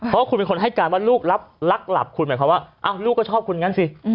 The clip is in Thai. เพราะว่าคุณเป็นคนให้การว่าลูกรักหลับคุณหมายความว่าลูกก็ชอบคุณงั้นสิ